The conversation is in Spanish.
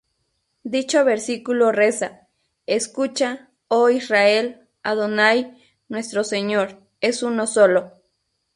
Dicho versículo reza: “Escucha, Oh Israel: Adonai, Nuestro Señor, es Uno solo".